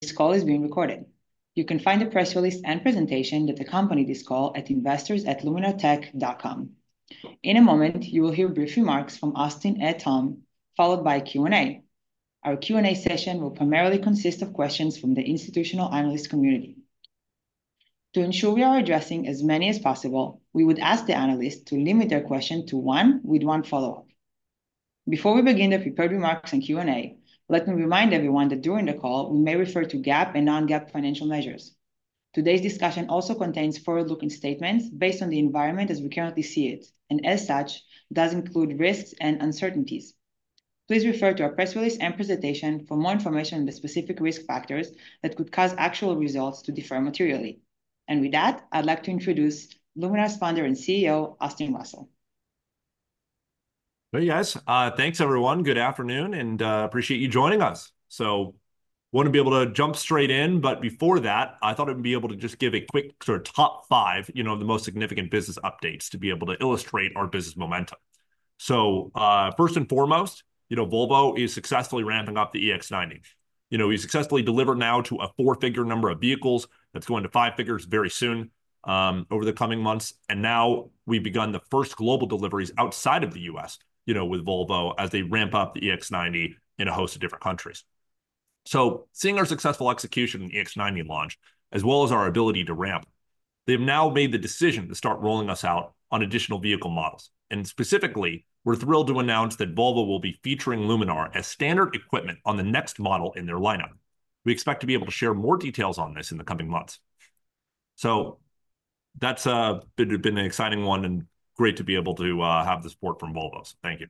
This call is being recorded. You can find the press release and presentation that accompany this call at investors.luminar.com. In a moment, you will hear brief remarks from Austin and Tom, followed by Q&A. Our Q&A session will primarily consist of questions from the institutional analyst community. To ensure we are addressing as many as possible, we would ask the analysts to limit their question to one with one follow-up. Before we begin the prepared remarks and Q&A, let me remind everyone that during the call, we may refer to GAAP and non-GAAP financial measures. Today's discussion also contains forward-looking statements based on the environment as we currently see it, and as such, does include risks and uncertainties. Please refer to our press release and presentation for more information on the specific risk factors that could cause actual results to differ materially. With that, I'd like to introduce Luminar's founder and CEO, Austin Russell. Hey, guys. Thanks, everyone. Good afternoon, and I appreciate you joining us. So I want to be able to jump straight in, but before that, I thought I'd be able to just give a quick sort of top five, you know, of the most significant business updates to be able to illustrate our business momentum. So first and foremost, you know, Volvo is successfully ramping up the EX90. You know, we successfully delivered now to a four-figure number of vehicles. That's going to five figures very soon over the coming months. And now we've begun the first global deliveries outside of the U.S., you know, with Volvo as they ramp up the EX90 in a host of different countries. So seeing our successful execution of the EX90 launch, as well as our ability to ramp, they've now made the decision to start rolling us out on additional vehicle models. Specifically, we're thrilled to announce that Volvo will be featuring Luminar as standard equipment on the next model in their lineup. We expect to be able to share more details on this in the coming months. That's been an exciting one and great to be able to have the support from Volvo. Thank you.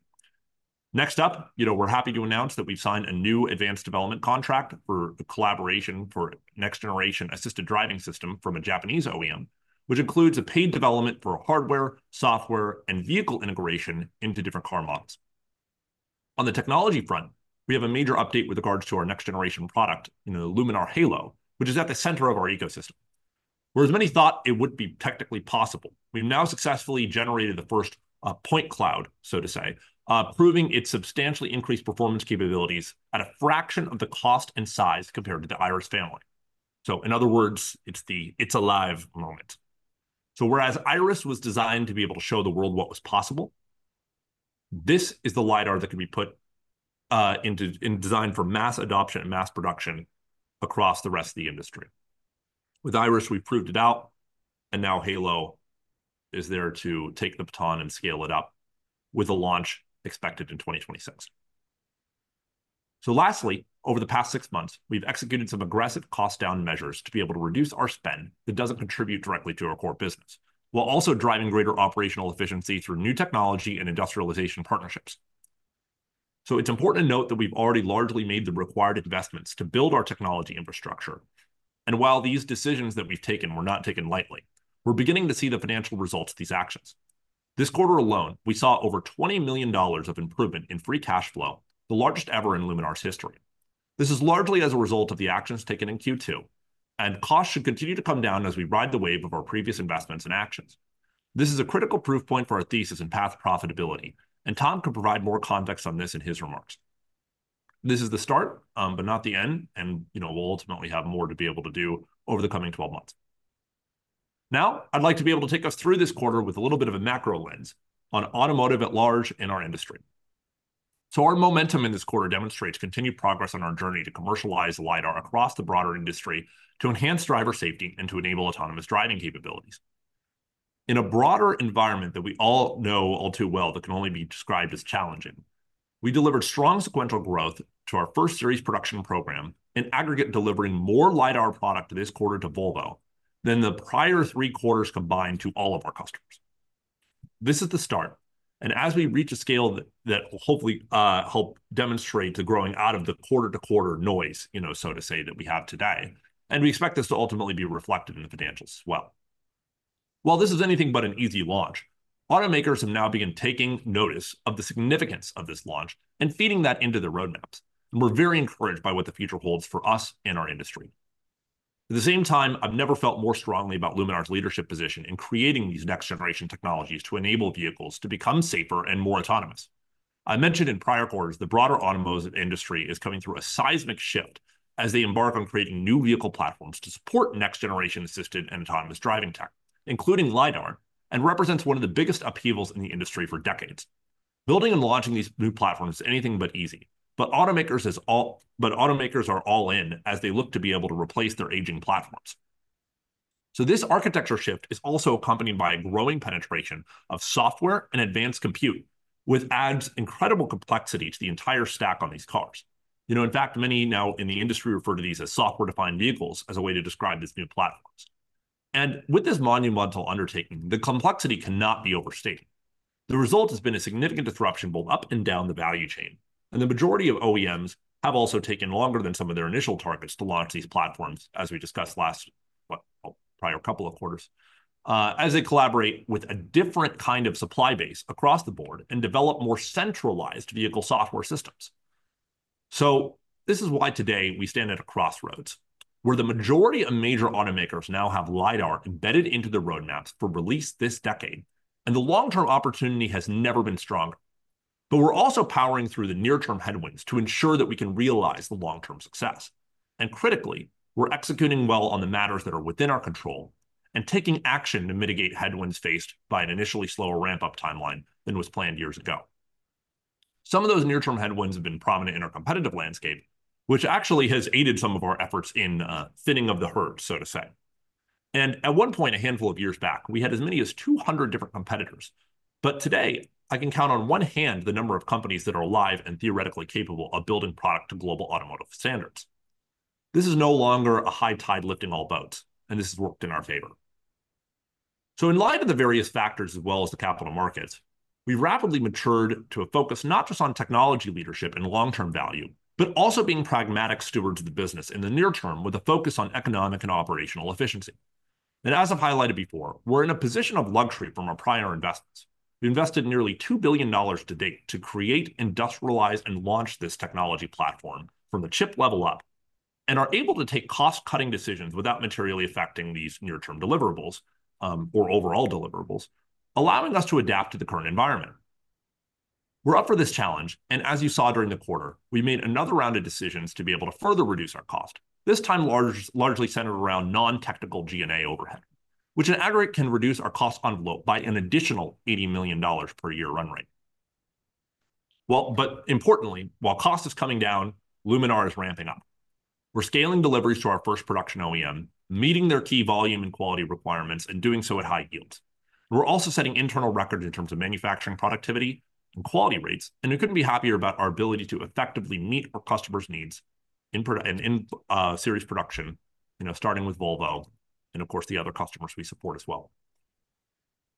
Next up, you know, we're happy to announce that we've signed a new advanced development contract for the collaboration for next-generation assisted driving system from a Japanese OEM, which includes a paid development for hardware, software, and vehicle integration into different car models. On the technology front, we have a major update with regards to our next-generation product in the Luminar Halo, which is at the center of our ecosystem. Whereas many thought it wouldn't be technically possible, we've now successfully generated the first point cloud, so to say, proving its substantially increased performance capabilities at a fraction of the cost and size compared to the Iris family. So in other words, it's the "it's alive" moment. So whereas Iris was designed to be able to show the world what was possible, this is the LiDAR that can be put into and designed for mass adoption and mass production across the rest of the industry. With Iris, we've proved it out, and now Halo is there to take the baton and scale it up with a launch expected in 2026. So lastly, over the past six months, we've executed some aggressive cost-down measures to be able to reduce our spend that doesn't contribute directly to our core business while also driving greater operational efficiency through new technology and industrialization partnerships. It's important to note that we've already largely made the required investments to build our technology infrastructure. And while these decisions that we've taken were not taken lightly, we're beginning to see the financial results of these actions. This quarter alone, we saw over $20 million of improvement in free cash flow, the largest ever in Luminar's history. This is largely as a result of the actions taken in Q2, and costs should continue to come down as we ride the wave of our previous investments and actions. This is a critical proof point for our thesis and path to profitability, and Tom can provide more context on this in his remarks. This is the start, but not the end, and, you know, we'll ultimately have more to be able to do over the coming 12 months. Now, I'd like to be able to take us through this quarter with a little bit of a macro lens on automotive at large in our industry. So our momentum in this quarter demonstrates continued progress on our journey to commercialize LiDAR across the broader industry to enhance driver safety and to enable autonomous driving capabilities. In a broader environment that we all know all too well that can only be described as challenging, we delivered strong sequential growth to our first series production program in aggregate, delivering more LiDAR product this quarter to Volvo than the prior three quarters combined to all of our customers. This is the start, and as we reach a scale that will hopefully help demonstrate the growing out of the quarter-to-quarter noise, you know, so to say, that we have today, and we expect this to ultimately be reflected in the financials as well. While this is anything but an easy launch, automakers have now begun taking notice of the significance of this launch and feeding that into their roadmaps. And we're very encouraged by what the future holds for us and our industry. At the same time, I've never felt more strongly about Luminar's leadership position in creating these next-generation technologies to enable vehicles to become safer and more autonomous. I mentioned in prior quarters the broader automotive industry is coming through a seismic shift as they embark on creating new vehicle platforms to support next-generation assisted and autonomous driving tech, including LiDAR, and represents one of the biggest upheavals in the industry for decades. Building and launching these new platforms is anything but easy, but automakers are all in as they look to be able to replace their aging platforms. So this architecture shift is also accompanied by a growing penetration of software and advanced compute, which adds incredible complexity to the entire stack on these cars. You know, in fact, many now in the industry refer to these as software-defined vehicles as a way to describe these new platforms. And with this monumental undertaking, the complexity cannot be overstated. The result has been a significant disruption both up and down the value chain, and the majority of OEMs have also taken longer than some of their initial targets to launch these platforms, as we discussed last, well, prior couple of quarters, as they collaborate with a different kind of supply base across the board and develop more centralized vehicle software systems. So this is why today we stand at a crossroads where the majority of major automakers now have LiDAR embedded into the roadmaps for release this decade, and the long-term opportunity has never been stronger. But we're also powering through the near-term headwinds to ensure that we can realize the long-term success. And critically, we're executing well on the matters that are within our control and taking action to mitigate headwinds faced by an initially slower ramp-up timeline than was planned years ago. Some of those near-term headwinds have been prominent in our competitive landscape, which actually has aided some of our efforts in thinning of the herd, so to say. And at one point, a handful of years back, we had as many as 200 different competitors. But today, I can count on one hand the number of companies that are alive and theoretically capable of building product to global automotive standards. This is no longer a high tide lifting all boats, and this has worked in our favor. So in light of the various factors as well as the capital markets, we've rapidly matured to a focus not just on technology leadership and long-term value, but also being pragmatic stewards of the business in the near term with a focus on economic and operational efficiency. And as I've highlighted before, we're in a position of luxury from our prior investments. We invested nearly $2 billion to date to create, industrialize, and launch this technology platform from the chip level up, and are able to take cost-cutting decisions without materially affecting these near-term deliverables or overall deliverables allowing us to adapt to the current environment. We're up for this challenge, and as you saw during the quarter, we made another round of decisions to be able to further reduce our cost, this time largely centered around non-technical G&A overhead, which in aggregate can reduce our cost envelope by an additional $80 million per year run rate. Well, but importantly, while cost is coming down, Luminar is ramping up. We're scaling deliveries to our first production OEM meeting their key volume and quality requirements and doing so at high yields. We're also setting internal records in terms of manufacturing productivity and quality rates, and we couldn't be happier about our ability to effectively meet our customers' needs in series production, you know, starting with Volvo and, of course, the other customers we support as well.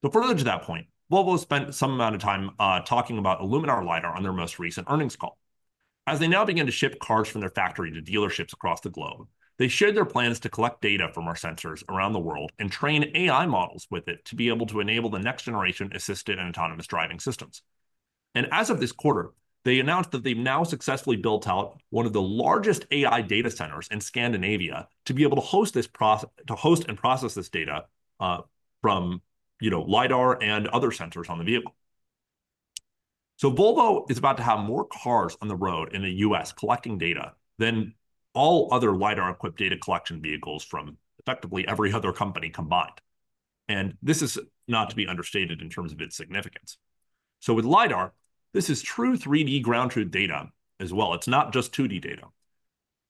But further to that point, Volvo has spent some amount of time talking about a Luminar LiDAR on their most recent earnings call. As they now begin to ship cars from their factory to dealerships across the globe, they shared their plans to collect data from our sensors around the world and train AI models with it to be able to enable the next-generation assisted and autonomous driving systems. And as of this quarter, they announced that they've now successfully built out one of the largest AI data centers in Scandinavia to be able to host this process, to host and process this data from, you know, LiDAR and other sensors on the vehicle. So Volvo is about to have more cars on the road in the U.S. collecting data than all other LiDAR-equipped data collection vehicles from effectively every other company combined. This is not to be understated in terms of its significance. With LiDAR, this is true 3D ground truth data as well. It's not just 2D data.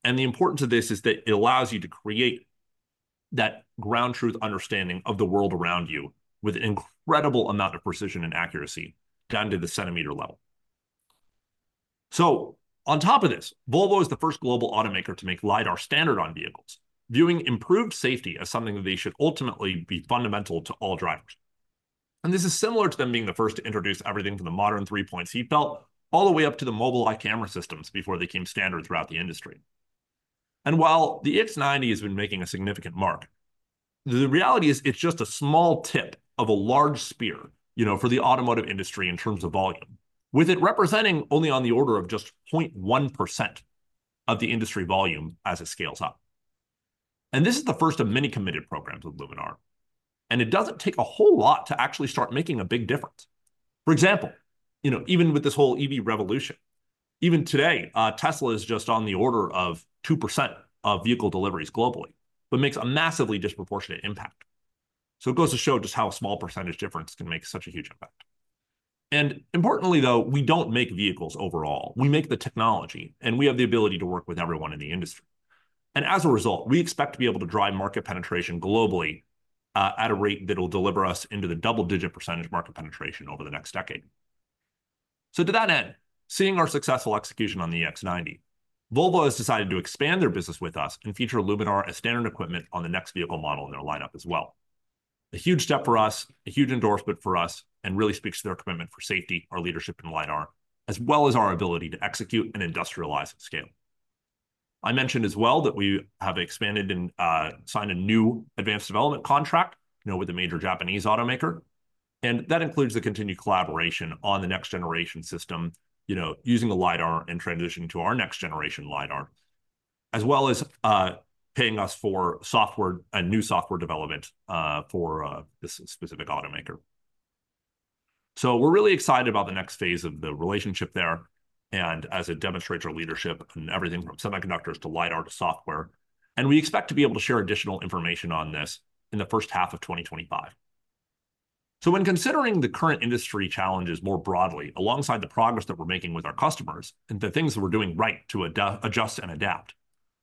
The importance of this is that it allows you to create that ground truth understanding of the world around you with an incredible amount of precision and accuracy down to the centimeter level. On top of this, Volvo is the first global automaker to make LiDAR standard on vehicles, viewing improved safety as something that they should ultimately be fundamental to all drivers. This is similar to them being the first to introduce everything from the modern three-point seat belt all the way up to the Mobileye camera systems before they came standard throughout the industry. And while the EX90 has been making a significant mark, the reality is it's just a small tip of a large spear, you know, for the automotive industry in terms of volume, with it representing only on the order of just 0.1% of the industry volume as it scales up. And this is the first of many committed programs with Luminar, and it doesn't take a whole lot to actually start making a big difference. For example, you know, even with this whole EV revolution, even today, Tesla is just on the order of 2% of vehicle deliveries globally, but makes a massively disproportionate impact. So it goes to show just how a small percentage difference can make such a huge impact. And importantly, though, we don't make vehicles overall. We make the technology, and we have the ability to work with everyone in the industry. As a result, we expect to be able to drive market penetration globally at a rate that will deliver us into the double-digit % market penetration over the next decade. To that end, seeing our successful execution on the EX90, Volvo has decided to expand their business with us and feature Luminar as standard equipment on the next vehicle model in their lineup as well. A huge step for us, a huge endorsement for us, and really speaks to their commitment for safety, our leadership in LiDAR, as well as our ability to execute and industrialize at scale. I mentioned as well that we have expanded and signed a new advanced development contract, you know, with a major Japanese automaker. And that includes the continued collaboration on the next-generation system, you know, using the LiDAR and transitioning to our next-generation LiDAR, as well as paying us for software and new software development for this specific automaker. So we're really excited about the next phase of the relationship there and as it demonstrates our leadership in everything from semiconductors to LiDAR to software. And we expect to be able to share additional information on this in the first half of 2025. So when considering the current industry challenges more broadly, alongside the progress that we're making with our customers and the things that we're doing right to adjust and adapt,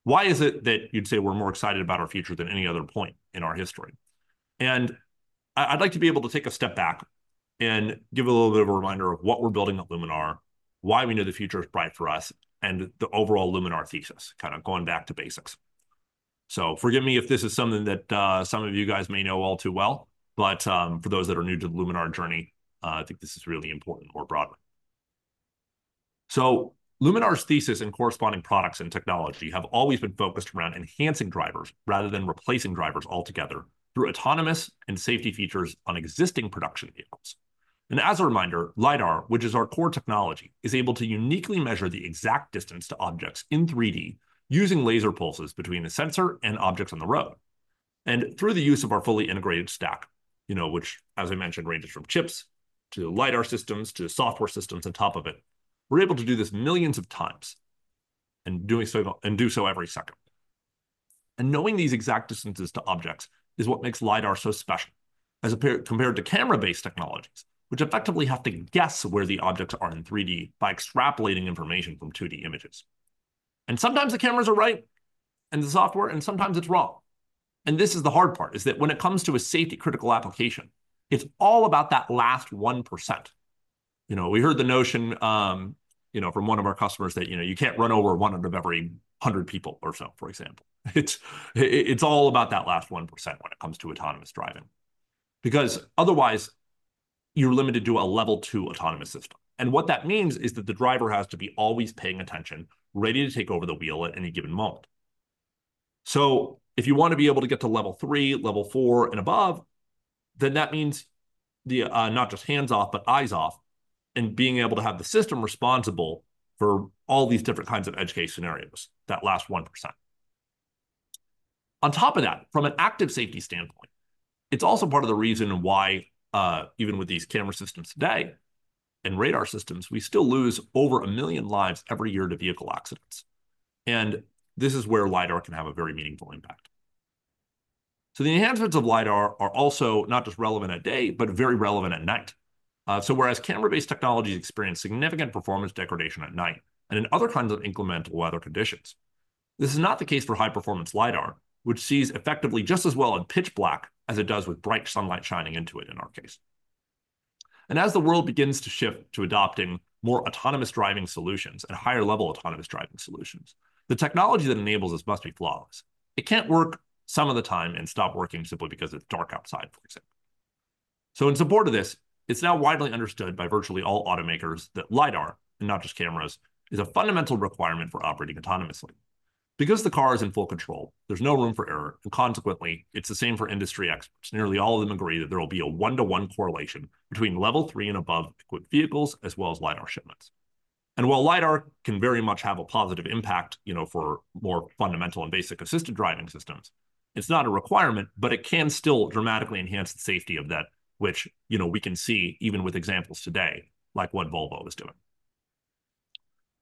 why is it that you'd say we're more excited about our future than any other point in our history? And I'd like to be able to take a step back and give a little bit of a reminder of what we're building at Luminar, why we know the future is bright for us, and the overall Luminar thesis, kind of going back to basics. So forgive me if this is something that some of you guys may know all too well, but for those that are new to the Luminar journey, I think this is really important more broadly. So Luminar's thesis and corresponding products and technology have always been focused around enhancing drivers rather than replacing drivers altogether through autonomous and safety features on existing production vehicles. And as a reminder, lidar, which is our core technology, is able to uniquely measure the exact distance to objects in 3D using laser pulses between a sensor and objects on the road. Through the use of our fully integrated stack, you know, which, as I mentioned, ranges from chips to lidar systems to software systems on top of it, we're able to do this millions of times and do so every second. Knowing these exact distances to objects is what makes LiDAR so special as compared to camera-based technologies, which effectively have to guess where the objects are in 3D by extrapolating information from 2D images. Sometimes the cameras are right and the software, and sometimes it's wrong. This is the hard part, is that when it comes to a safety-critical application, it's all about that last 1%. You know, we heard the notion, you know, from one of our customers that, you know, you can't run over 1 out of every 100 people or so, for example. It's all about that last 1% when it comes to autonomous driving, because otherwise you're limited to a level 2 autonomous system. And what that means is that the driver has to be always paying attention, ready to take over the wheel at any given moment. So if you want to be able to get to level 3, level 4, and above, then that means not just hands off, but eyes off and being able to have the system responsible for all these different kinds of edge case scenarios, that last 1%. On top of that, from an active safety standpoint, it's also part of the reason why even with these camera systems today and radar systems, we still lose over a million lives every year to vehicle accidents. And this is where LiDAR can have a very meaningful impact. So the enhancements of LiDAR are also not just relevant by day, but very relevant at night. So whereas camera-based technologies experience significant performance degradation at night and in other kinds of inclement weather conditions, this is not the case for high-performance lidar, which sees effectively just as well in pitch black as it does with bright sunlight shining into it in our case. And as the world begins to shift to adopting more autonomous driving solutions and higher-level autonomous driving solutions, the technology that enables this must be flawless. It can't work some of the time and stop working simply because it's dark outside, for example. So in support of this, it's now widely understood by virtually all automakers that LiDAR, and not just cameras, is a fundamental requirement for operating autonomously. Because the car is in full control, there's no room for error, and consequently, it's the same for industry experts. Nearly all of them agree that there will be a one-to-one correlation between level 3 and above equipped vehicles as well as LiDAR shipments, and while LiDAR can very much have a positive impact, you know, for more fundamental and basic assisted driving systems, it's not a requirement, but it can still dramatically enhance the safety of that, which, you know, we can see even with examples today like what Volvo is doing,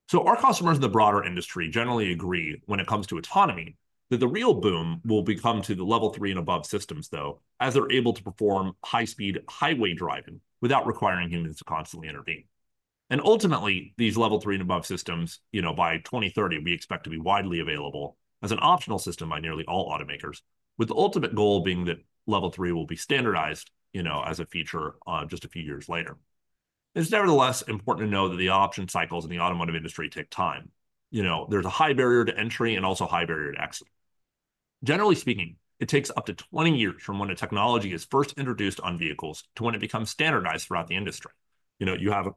so our customers in the broader industry generally agree when it comes to autonomy that the real boom will become to the level 3 and above systems, though, as they're able to perform high-speed highway driving without requiring humans to constantly intervene. Ultimately, these level 3 and above systems, you know, by 2030, we expect to be widely available as an optional system by nearly all automakers, with the ultimate goal being that level 3 will be standardized, you know, as a feature just a few years later. It's nevertheless important to know that the adoption cycles in the automotive industry take time. You know, there's a high barrier to entry and also high barrier to exit. Generally speaking, it takes up to 20 years from when a technology is first introduced on vehicles to when it becomes standardized throughout the industry. You know, you have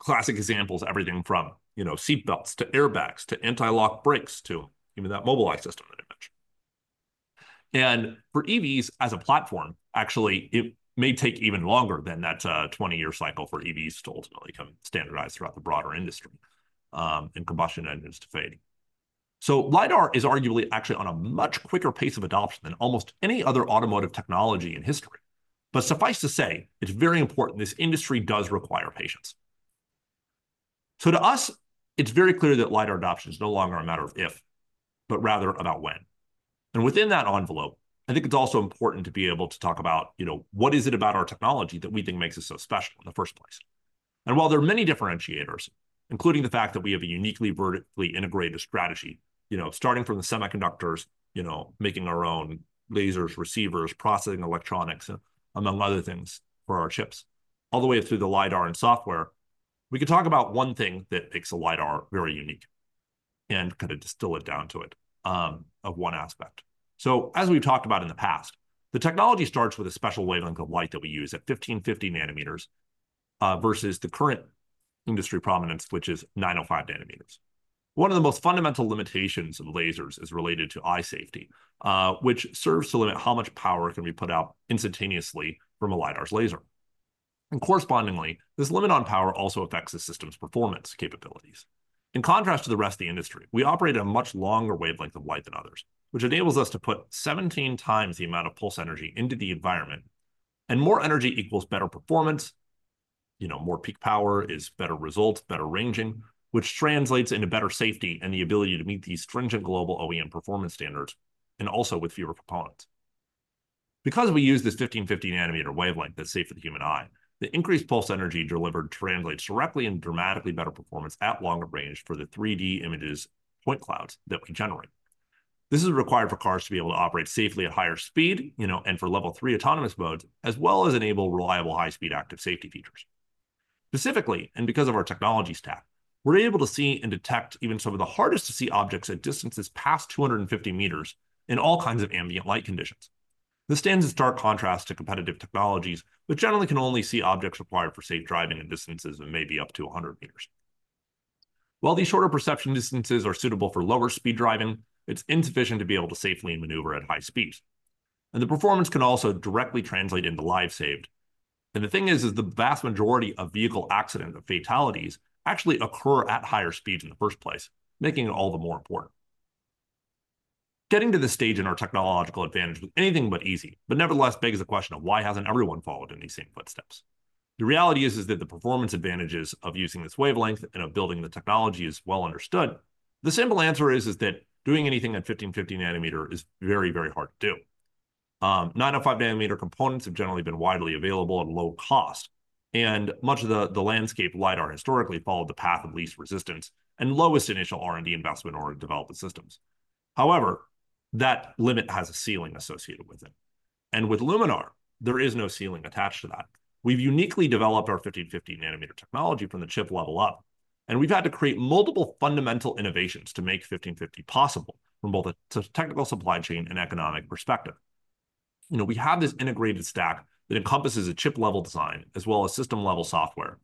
classic examples, everything from, you know, seat belts to airbags to anti-lock brakes to even that Mobileye system that I mentioned. And for EVs as a platform, actually, it may take even longer than that 20-year cycle for EVs to ultimately come standardized throughout the broader industry and combustion engines to fade. So LiDAR is arguably actually on a much quicker pace of adoption than almost any other automotive technology in history. But suffice to say, it's very important this industry does require patience. So to us, it's very clear that lidar adoption is no longer a matter of if, but rather about when. And within that envelope, I think it's also important to be able to talk about, you know, what is it about our technology that we think makes us so special in the first place. And while there are many differentiators, including the fact that we have a uniquely vertically integrated strategy, you know, starting from the semiconductors, you know, making our own lasers, receivers, processing electronics, among other things for our chips, all the way through the LiDAR and software, we can talk about one thing that makes a lidar very unique and kind of distill it down to it of one aspect. So as we've talked about in the past, the technology starts with a special wavelength of light that we use at 1550 nanometers versus the current industry prominence, which is 905 nanometers. One of the most fundamental limitations of lasers is related to eye safety, which serves to limit how much power can be put out instantaneously from a LiDAR's laser. And correspondingly, this limit on power also affects the system's performance capabilities. In contrast to the rest of the industry, we operate at a much longer wavelength of light than others, which enables us to put 17x the amount of pulse energy into the environment, and more energy equals better performance. You know, more peak power is better results, better ranging, which translates into better safety and the ability to meet these stringent global OEM performance standards and also with fewer components. Because we use this 1550 nanometer wavelength that's safe for the human eye, the increased pulse energy delivered translates directly into dramatically better performance at longer range for the 3D images, point clouds that we generate. This is required for cars to be able to operate safely at higher speed, you know, and for level 3 autonomous modes, as well as enable reliable high-speed active safety features. Specifically, and because of our technology stack, we're able to see and detect even some of the hardest-to-see objects at distances past 250 meters in all kinds of ambient light conditions. This stands in stark contrast to competitive technologies, which generally can only see objects required for safe driving at distances of maybe up to 100 meters. While these shorter perception distances are suitable for lower speed driving, it's insufficient to be able to safely maneuver at high speeds, and the performance can also directly translate into lives saved. And the thing is, the vast majority of vehicle accidents and fatalities actually occur at higher speeds in the first place, making it all the more important. Getting to this stage in our technological advantage was anything but easy, but nevertheless, begs the question of why hasn't everyone followed in these same footsteps? The reality is that the performance advantages of using this wavelength and of building the technology is well understood. The simple answer is that doing anything at 1550 nanometer is very, very hard to do. 905 nanometer components have generally been widely available at low cost, and much of the landscape lidar historically followed the path of least resistance and lowest initial R&D investment or development systems. However, that limit has a ceiling associated with it, and with Luminar, there is no ceiling attached to that. We've uniquely developed our 1550 nanometer technology from the chip level up, and we've had to create multiple fundamental innovations to make 1550 possible from both a technical supply chain and economic perspective. You know, we have this integrated stack that encompasses a chip level design as well as system level software.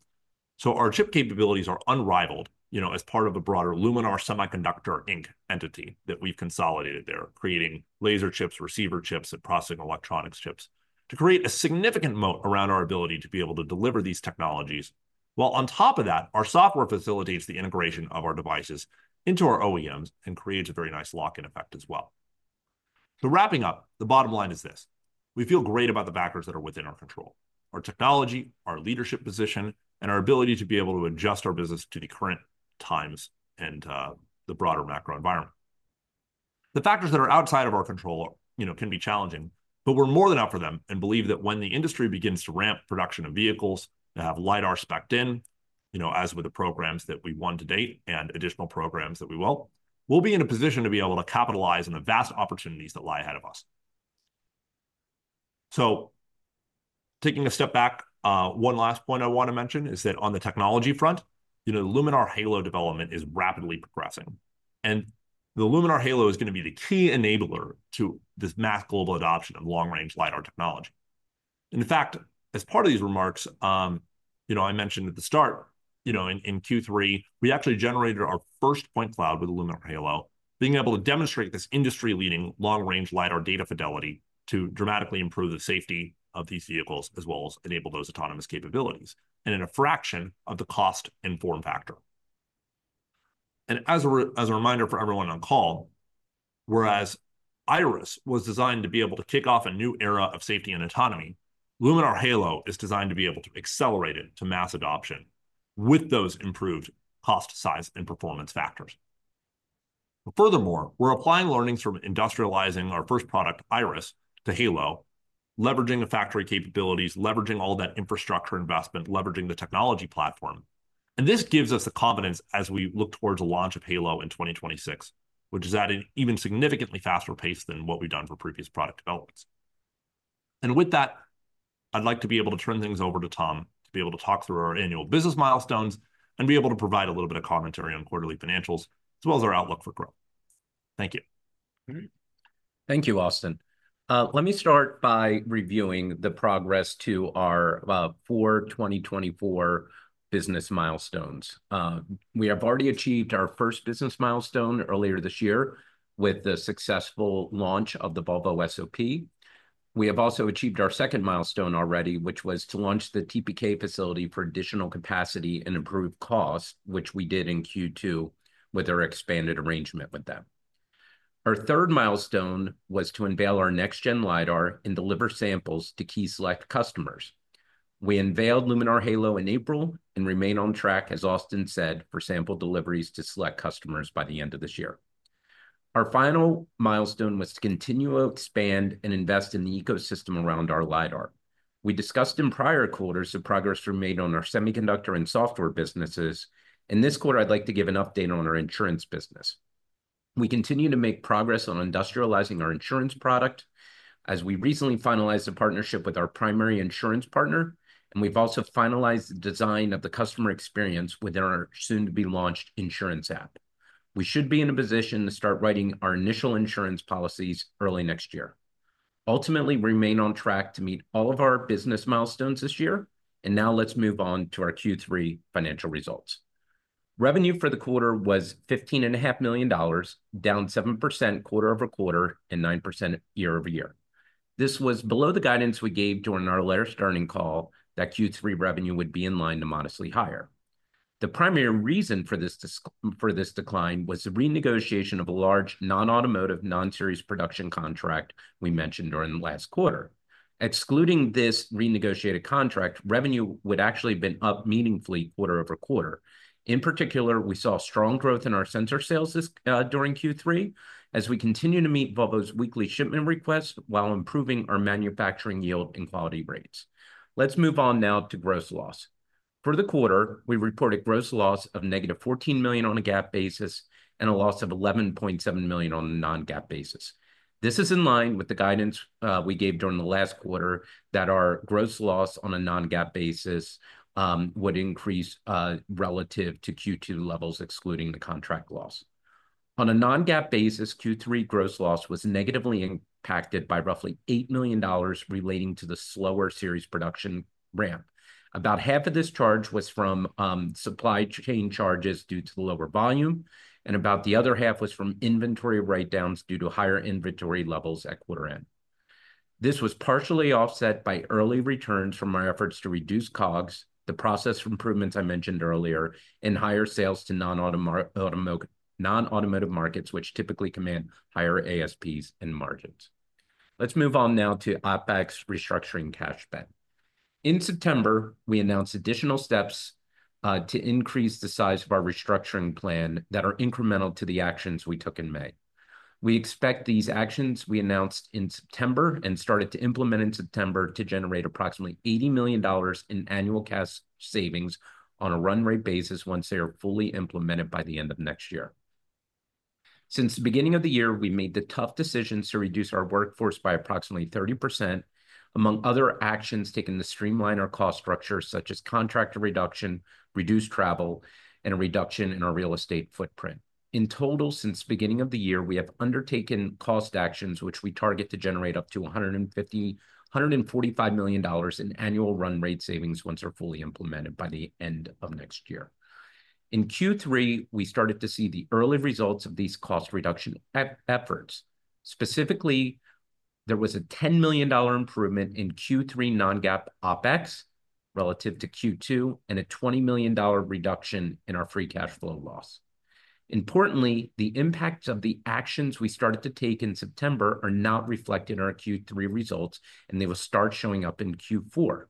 So our chip capabilities are unrivaled, you know, as part of a broader Luminar Semiconductor Inc. entity that we've consolidated there, creating laser chips, receiver chips, and processing electronics chips to create a significant moat around our ability to be able to deliver these technologies. While on top of that, our software facilitates the integration of our devices into our OEMs and creates a very nice lock-in effect as well. So wrapping up, the bottom line is this: we feel great about the factors that are within our control, our technology, our leadership position, and our ability to be able to adjust our business to the current times and the broader macro environment. The factors that are outside of our control, you know, can be challenging, but we're more than up for them and believe that when the industry begins to ramp production of vehicles that have LiDAR specced in, you know, as with the programs that we won to date and additional programs that we will, we'll be in a position to be able to capitalize on the vast opportunities that lie ahead of us. So taking a step back, one last point I want to mention is that on the technology front, you know, the Luminar Halo development is rapidly progressing, and the Luminar Halo is going to be the key enabler to this mass global adoption of long-range LiDAR technology. In fact, as part of these remarks, you know, I mentioned at the start, you know, in Q3, we actually generated our first point cloud with the Luminar Halo, being able to demonstrate this industry-leading long-range lidar data fidelity to dramatically improve the safety of these vehicles as well as enable those autonomous capabilities and at a fraction of the cost and form factor. And as a reminder for everyone on call, whereas Iris was designed to be able to kick off a new era of safety and autonomy, Luminar Halo is designed to be able to accelerate it to mass adoption with those improved cost, size, and performance factors. Furthermore, we're applying learnings from industrializing our first product, Iris, to Halo, leveraging the factory capabilities, leveraging all that infrastructure investment, leveraging the technology platform. This gives us the confidence as we look towards the launch of Halo in 2026, which is at an even significantly faster pace than what we've done for previous product developments. With that, I'd like to be able to turn things over to Tom to be able to talk through our annual business milestones and be able to provide a little bit of commentary on quarterly financials as well as our outlook for growth. Thank you. All right. Thank you, Austin. Let me start by reviewing the progress to our four 2024 business milestones. We have already achieved our first business milestone earlier this year with the successful launch of the Volvo SOP. We have also achieved our second milestone already, which was to launch the TPK facility for additional capacity and improved cost, which we did in Q2 with our expanded arrangement with them. Our third milestone was to unveil our next-gen LiDAR and deliver samples to key select customers. We unveiled Luminar Halo in April and remain on track, as Austin said, for sample deliveries to select customers by the end of this year. Our final milestone was to continue to expand and invest in the ecosystem around our LiDAR. We discussed in prior quarters the progress we made on our semiconductor and software businesses. In this quarter, I'd like to give an update on our insurance business. We continue to make progress on industrializing our insurance product as we've recently finalized a partnership with our primary insurance partner, and we've also finalized the design of the customer experience within our soon-to-be-launched insurance app. We should be in a position to start writing our initial insurance policies early next year. Ultimately, we remain on track to meet all of our business milestones this year, and now let's move on to our Q3 financial results. Revenue for the quarter was $15.5 million, down 7% quarter-over-quarter and 9% year-over-year. This was below the guidance we gave during our last earnings call that Q3 revenue would be in line to modestly higher. The primary reason for this decline was the renegotiation of a large non-automotive non-series production contract we mentioned during the last quarter. Excluding this renegotiated contract, revenue would actually have been up meaningfully quarter-over-quarter. In particular, we saw strong growth in our sensor sales during Q3 as we continue to meet Volvo's weekly shipment requests while improving our manufacturing yield and quality rates. Let's move on now to gross loss. For the quarter, we reported gross loss of negative $14 million on a GAAP basis and a loss of $11.7 million on a non-GAAP basis. This is in line with the guidance we gave during the last quarter that our gross loss on a non-GAAP basis would increase relative to Q2 levels, excluding the contract loss. On a non-GAAP basis, Q3 gross loss was negatively impacted by roughly $8 million relating to the slower series production ramp. About half of this charge was from supply chain charges due to the lower volume and about the other half was from inventory write-downs due to higher inventory levels at quarter end. This was partially offset by early returns from our efforts to reduce COGS, the process improvements I mentioned earlier, and higher sales to non-automotive markets, which typically command higher ASPs and margins. Let's move on now to OpEx restructuring cash spend. In September, we announced additional steps to increase the size of our restructuring plan that are incremental to the actions we took in May. We expect these actions we announced in September and started to implement in September to generate approximately $80 million in annual cash savings on a run rate basis once they are fully implemented by the end of next year. Since the beginning of the year, we made the tough decisions to reduce our workforce by approximately 30%, among other actions taken to streamline our cost structure, such as contractor reduction, reduced travel, and a reduction in our real estate footprint. In total, since the beginning of the year, we have undertaken cost actions, which we target to generate up to $145 million in annual run rate savings once they're fully implemented by the end of next year. In Q3, we started to see the early results of these cost reduction efforts. Specifically, there was a $10 million improvement in Q3 non-GAAP OpEx relative to Q2 and a $20 million reduction in our free cash flow loss. Importantly, the impacts of the actions we started to take in September are now reflected in our Q3 results, and they will start showing up in Q4.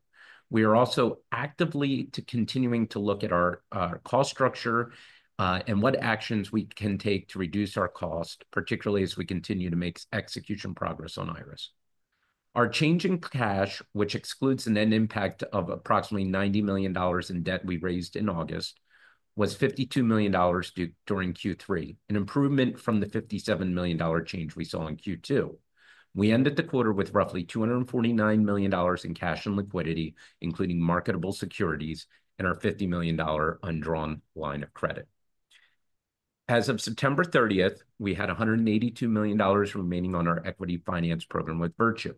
We are also actively continuing to look at our cost structure and what actions we can take to reduce our cost, particularly as we continue to make execution progress on Iris. Our change in cash, which excludes an impact of approximately $90 million in debt we raised in August, was $52 million during Q3, an improvement from the $57 million change we saw in Q2. We ended the quarter with roughly $249 million in cash and liquidity, including marketable securities and our $50 million undrawn line of credit. As of September 30th, we had $182 million remaining on our equity finance program with Virtu.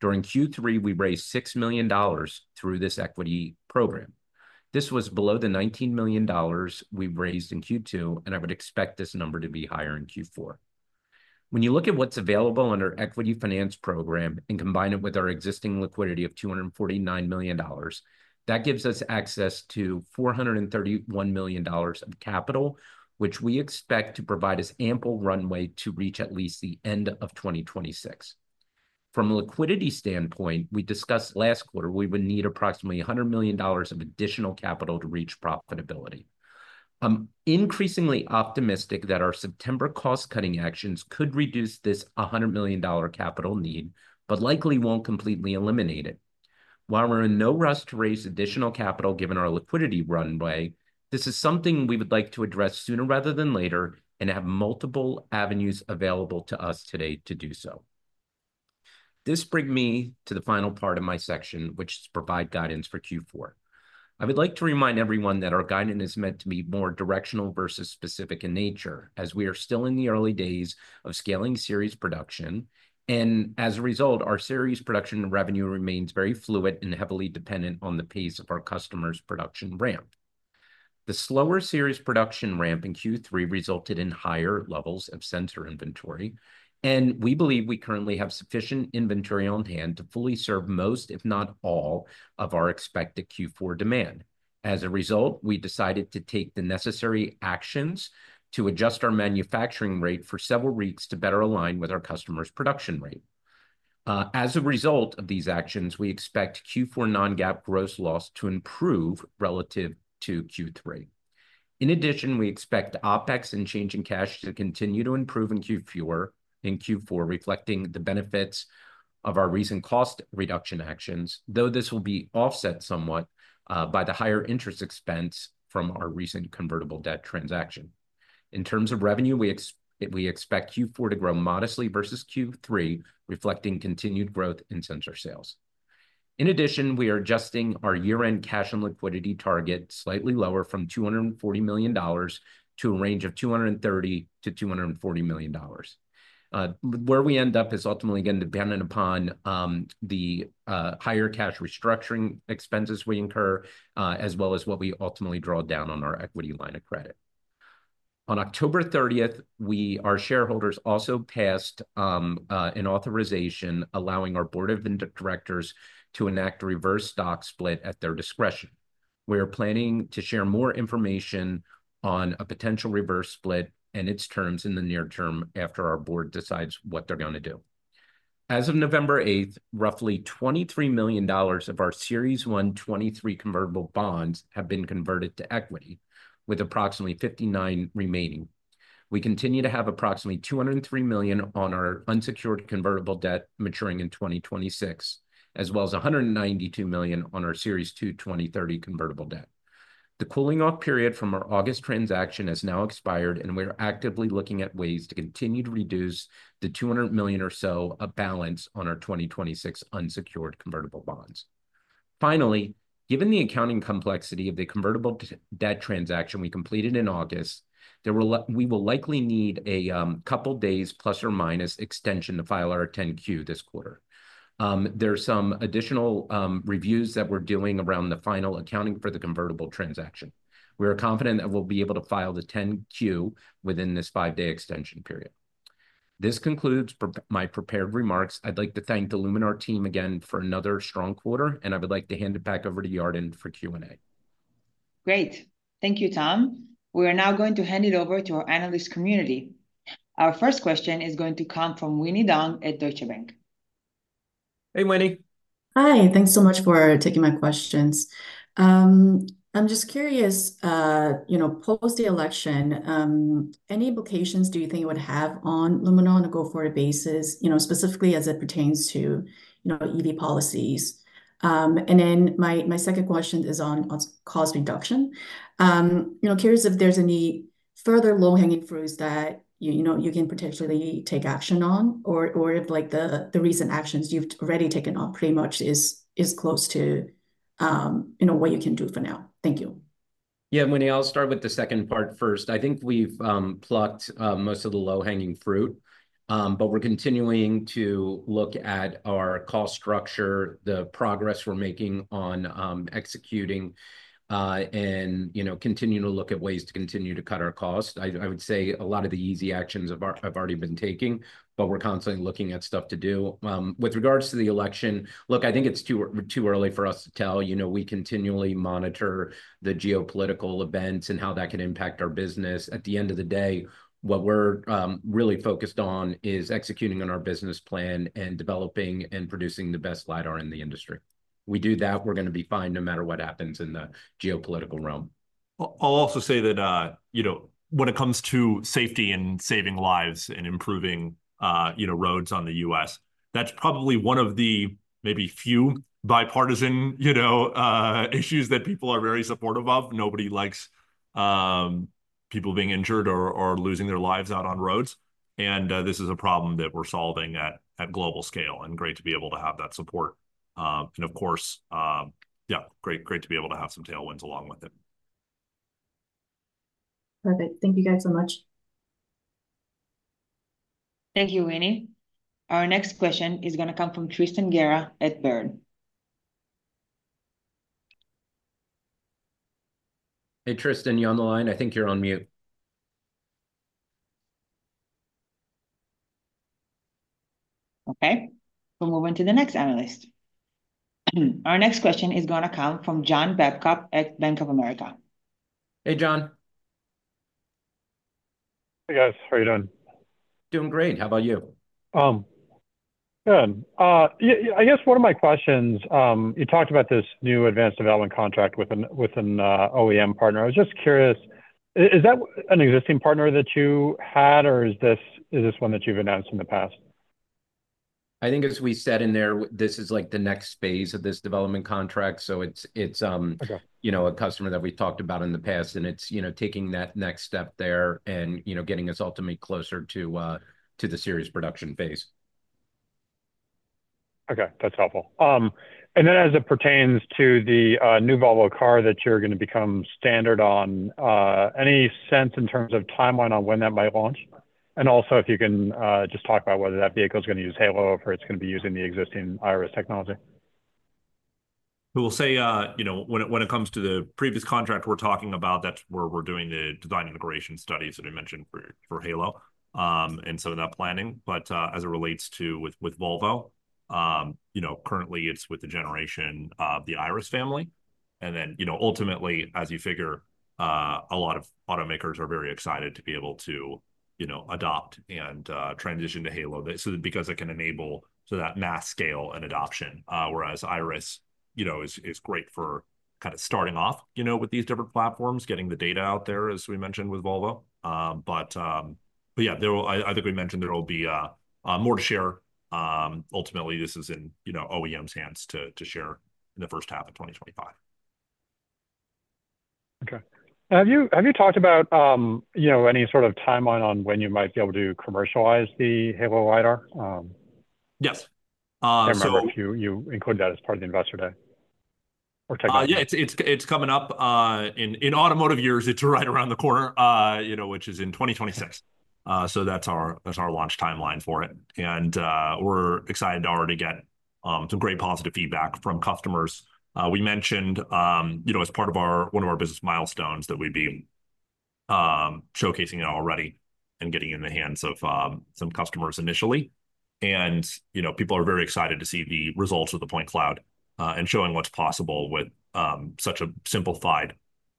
During Q3, we raised $6 million through this equity program. This was below the $19 million we raised in Q2, and I would expect this number to be higher in Q4. When you look at what's available under equity finance program and combine it with our existing liquidity of $249 million, that gives us access to $431 million of capital, which we expect to provide us ample runway to reach at least the end of 2026. From a liquidity standpoint, we discussed last quarter we would need approximately $100 million of additional capital to reach profitability. I'm increasingly optimistic that our September cost-cutting actions could reduce this $100 million capital need, but likely won't completely eliminate it. While we're in no rush to raise additional capital given our liquidity runway, this is something we would like to address sooner rather than later and have multiple avenues available to us today to do so. This brings me to the final part of my section, which is to provide guidance for Q4. I would like to remind everyone that our guidance is meant to be more directional versus specific in nature, as we are still in the early days of scaling series production, and as a result, our series production and revenue remains very fluid and heavily dependent on the pace of our customers' production ramp. The slower series production ramp in Q3 resulted in higher levels of sensor inventory, and we believe we currently have sufficient inventory on hand to fully serve most, if not all, of our expected Q4 demand. As a result, we decided to take the necessary actions to adjust our manufacturing rate for several weeks to better align with our customers' production rate. As a result of these actions, we expect Q4 non-GAAP gross loss to improve relative to Q3. In addition, we expect OpEx and change in cash to continue to improve in Q4, reflecting the benefits of our recent cost reduction actions, though this will be offset somewhat by the higher interest expense from our recent convertible debt transaction. In terms of revenue, we expect Q4 to grow modestly versus Q3, reflecting continued growth in sensor sales. In addition, we are adjusting our year-end cash and liquidity target slightly lower from $240 million to a range of $230 million to $240 million. Where we end up is ultimately going to depend upon the higher cash restructuring expenses we incur, as well as what we ultimately draw down on our equity line of credit. On October 30th, our shareholders also passed an authorization allowing our board of directors to enact a reverse stock split at their discretion. We are planning to share more information on a potential reverse split and its terms in the near term after our board decides what they're going to do. As of November 8th, roughly $23 million of our 0.75% convertible senior notes have been converted to equity, with approximately $59 million. We continue to have approximately $203 million on our unsecured convertible debt maturing in 2026, as well as $192 million on our Series 2 2030 convertible debt. The cooling-off period from our August transaction has now expired, and we're actively looking at ways to continue to reduce the $200 million or so of balance on our 2026 unsecured convertible bonds. Finally, given the accounting complexity of the convertible debt transaction we completed in August, we will likely need a couple of days plus or minus extension to file our 10-Q this quarter. There are some additional reviews that we're doing around the final accounting for the convertible transaction. We are confident that we'll be able to file the 10-Q within this five-day extension period. This concludes my prepared remarks. I'd like to thank the Luminar team again for another strong quarter, and I would like to hand it back over to Yarden for Q&A. Great. Thank you, Tom. We are now going to hand it over to our analyst community. Our first question is going to come from Winnie Dong at Deutsche Bank. Hey, Winnie. Hi. Thanks so much for taking my questions. I'm just curious, you know, post the election, any implications do you think it would have on Luminar on a go-forward basis, you know, specifically as it pertains to, you know, EV policies? And then my second question is on cost reduction. I'm curious if there's any further low-hanging fruits that you can potentially take action on, or if, like, the recent actions you've already taken on pretty much is close to, you know, what you can do for now. Thank you. Yeah, Winnie, I'll start with the second part first. I think we've plucked most of the low-hanging fruit, but we're continuing to look at our cost structure, the progress we're making on executing, and, you know, continuing to look at ways to continue to cut our cost. I would say a lot of the easy actions have already been taken, but we're constantly looking at stuff to do. With regards to the election, look, I think it's too early for us to tell. You know, we continually monitor the geopolitical events and how that can impact our business. At the end of the day, what we're really focused on is executing on our business plan and developing and producing the best LiDAR in the industry. We do that. We're going to be fine no matter what happens in the geopolitical realm. I'll also say that, you know, when it comes to safety and saving lives and improving, you know, roads on the U.S., that's probably one of the maybe few bipartisan, you know, issues that people are very supportive of. Nobody likes people being injured or losing their lives out on roads, and this is a problem that we're solving at global scale, and great to be able to have that support, and of course, yeah, great to be able to have some tailwinds along with it. Perfect. Thank you guys so much. Thank you, Winnie. Our next question is going to come from Tristan Gerra at Baird. Hey, Tristan, you on the line? I think you're on mute. Okay. We'll move on to the next analyst. Our next question is going to come from John Babcock at Bank of America. Hey, John. Hey, guys. How are you doing? Doing great. How about you? Good. I guess one of my questions, you talked about this new advanced development contract with an OEM partner. I was just curious, is that an existing partner that you had, or is this one that you've announced in the past? I think, as we said in there, this is like the next phase of this development contract. So it's, you know, a customer that we've talked about in the past, and it's, you know, taking that next step there and, you know, getting us ultimately closer to the series production phase. Okay. That's helpful. And then, as it pertains to the new Volvo car that you're going to become standard on, any sense in terms of timeline on when that might launch? And also, if you can just talk about whether that vehicle is going to use Halo or if it's going to be using the existing Iris technology? We'll say, you know, when it comes to the previous contract we're talking about, that's where we're doing the design integration studies that I mentioned for Halo. And so that planning, but as it relates to with Volvo, you know, currently it's with the generation of the Iris family. And then, you know, ultimately, as you figure, a lot of automakers are very excited to be able to, you know, adopt and transition to Halo because it can enable to that mass scale and adoption, whereas IRIS, you know, is great for kind of starting off, you know, with these different platforms, getting the data out there, as we mentioned with Volvo. But yeah, I think we mentioned there will be more to share. Ultimately, this is in, you know, OEM's hands to share in the first half of 2025. Okay. Have you talked about, you know, any sort of timeline on when you might be able to commercialize the Halo LiDAR? Yes. So you include that as part of the investor day or technology? Yeah, it's coming up. In automotive years, it's right around the corner, you know, which is in 2026. So that's our launch timeline for it. And we're excited to already get some great positive feedback from customers. We mentioned, you know, as part of our one of our business milestones that we'd be showcasing it already and getting in the hands of some customers initially. You know, people are very excited to see the results of the point cloud and showing what's possible with such a simplified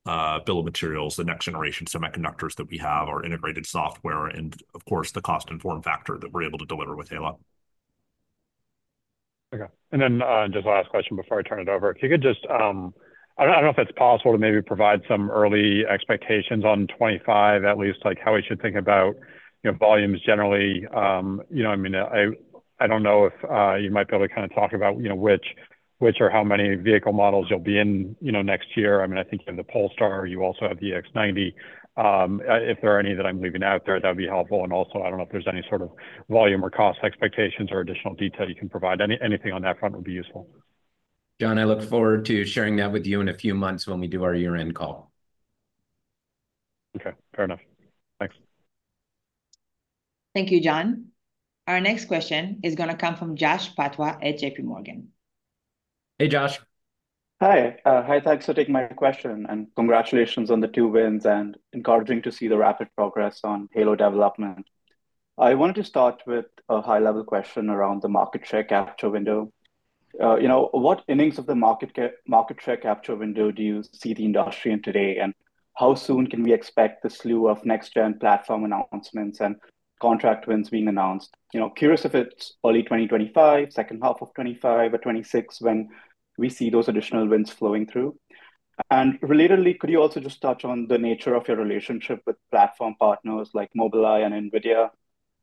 bill of materials, the next generation semiconductors that we have, our integrated software, and, of course, the form factor that we're able to deliver with Halo. Okay. Then just the last question before I turn it over. If you could just, I don't know if it's possible to maybe provide some early expectations on 2025, at least, like how we should think about, you know, volumes generally. You know, I mean, I don't know if you might be able to kind of talk about, you know, which or how many vehicle models you'll be in, you know, next year. I mean, I think you have the Polestar, you also have the EX90. If there are any that I'm leaving out there, that would be helpful. And also, I don't know if there's any sort of volume or cost expectations or additional detail you can provide. Anything on that front would be useful. John, I look forward to sharing that with you in a few months when we do our year-end call. Okay. Fair enough. Thanks. Thank you, John. Our next question is going to come from Jash Patwa at J.P. Morgan. Hey, Josh. Hi. Hi. Thanks for taking my question, and congratulations on the two wins and encouraging to see the rapid progress on Halo development. I wanted to start with a high-level question around the market share capture window. You know, what innings of the market share capture window do you see the industry in today, and how soon can we expect the slew of next-gen platform announcements and contract wins being announced? You know, curious if it's early 2025, second half of 2025, or 2026 when we see those additional wins flowing through. And relatedly, could you also just touch on the nature of your relationship with platform partners like Mobileye and NVIDIA?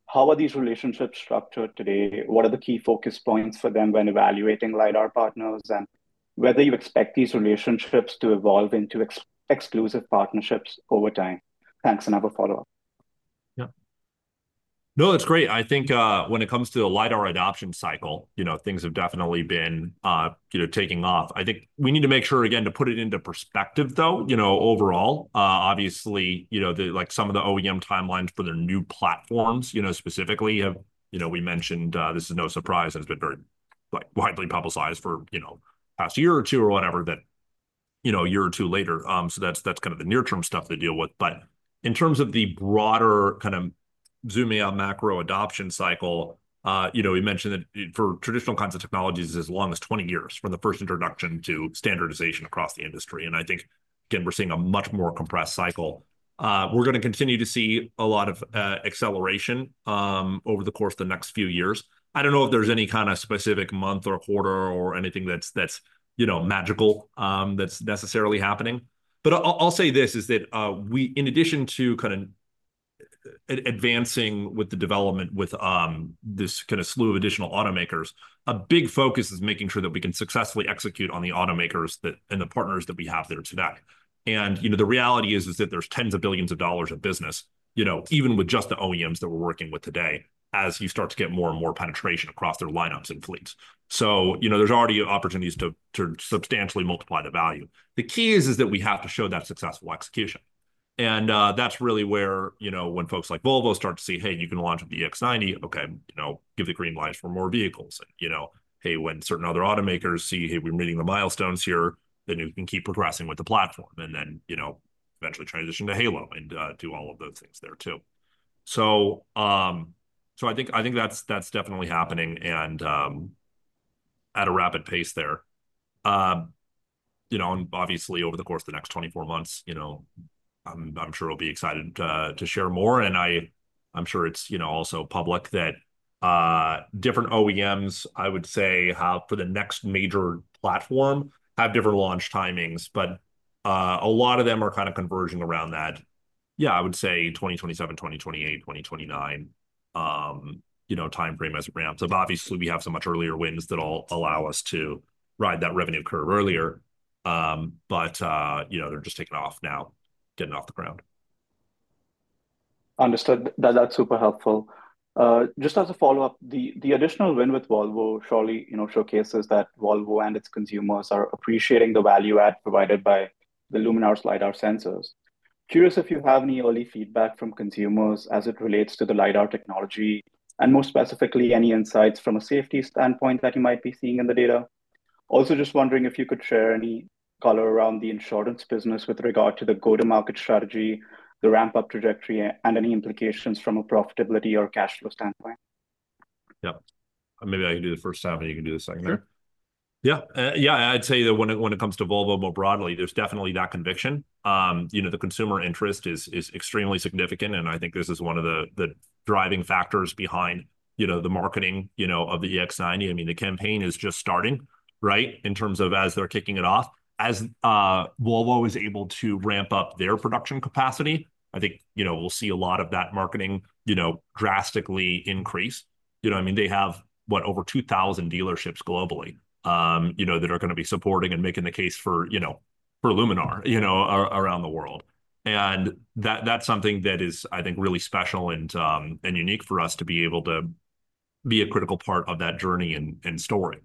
How are these relationships structured today? What are the key focus points for them when evaluating LiDAR partners and whether you expect these relationships to evolve into exclusive partnerships over time? Thanks and have a follow-up. Yeah. No, that's great. I think when it comes to the lidar adoption cycle, you know, things have definitely been, you know, taking off. I think we need to make sure, again, to put it into perspective, though, you know, overall, obviously, you know, like some of the OEM timelines for their new platforms, you know, specifically have, you know, we mentioned this is no surprise. It's been very, like, widely publicized for, you know, past year or two or whatever that, you know, a year or two later. So that's kind of the near-term stuff to deal with. But in terms of the broader kind of zooming out macro adoption cycle, you know, we mentioned that for traditional kinds of technologies, it's as long as 20 years from the first introduction to standardization across the industry. And I think, again, we're seeing a much more compressed cycle. We're going to continue to see a lot of acceleration over the course of the next few years. I don't know if there's any kind of specific month or quarter or anything that's, you know, magical that's necessarily happening. But I'll say this, that we, in addition to kind of advancing with the development with this kind of slew of additional automakers, a big focus is making sure that we can successfully execute on the automakers and the partners that we have there today. And, you know, the reality is that there's tens of billions of dollars of business, you know, even with just the OEMs that we're working with today, as you start to get more and more penetration across their lineups and fleets. So, you know, there's already opportunities to substantially multiply the value. The key is that we have to show that successful execution. And that's really where, you know, when folks like Volvo start to see, hey, you can launch with the EX90, okay, you know, give the green light for more vehicles. You know, hey, when certain other automakers see, hey, we're meeting the milestones here, then you can keep progressing with the platform and then, you know, eventually transition to Halo and do all of those things there too, so I think that's definitely happening and at a rapid pace there. You know, and obviously over the course of the next 24 months, you know, I'm sure we'll be excited to share more, and I'm sure it's, you know, also public that different OEMs, I would say, have for the next major platform, have different launch timings, but a lot of them are kind of converging around that. Yeah, I would say 2027, 2028, 2029, you know, timeframe as a ramp, so obviously we have some much earlier wins that all allow us to ride that revenue curve earlier. But, you know, they're just taking off now, getting off the ground. Understood. That's super helpful. Just as a follow-up, the additional win with Volvo surely, you know, showcases that Volvo and its consumers are appreciating the value add provided by the Luminar's LiDAR sensors. Curious if you have any early feedback from consumers as it relates to the lidar technology and more specifically, any insights from a safety standpoint that you might be seeing in the data? Also just wondering if you could share any color around the insurance business with regard to the go-to-market strategy, the ramp-up trajectory, and any implications from a profitability or cash flow standpoint? Yeah. Maybe I can do the first half and you can do the second Sure. Yeah. Yeah. I'd say that when it comes to Volvo more broadly, there's definitely that conviction. You know, the consumer interest is extremely significant, and I think this is one of the driving factors behind, you know, the marketing, you know, of the EX90. I mean, the campaign is just starting, right, in terms of as they're kicking it off. As Volvo was able to ramp up their production capacity, I think, you know, we'll see a lot of that marketing, you know, drastically increase. You know, I mean, they have, what, over 2,000 dealerships globally, you know, that are going to be supporting and making the case for, you know, for Luminar, you know, around the world, and that's something that is, I think, really special and unique for us to be able to be a critical part of that journey and story.